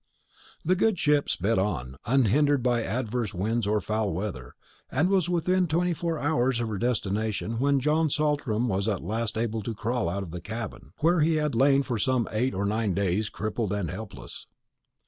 The good ship sped on, unhindered by adverse winds or foul weather, and was within twenty four hours of her destination when John Saltram was at last able to crawl out of the cabin, where he had lain for some eight or nine days crippled and helpless.